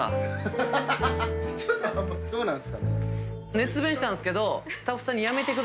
熱弁したんですけど。